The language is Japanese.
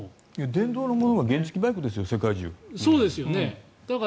電動のものはバイクですよ世界中。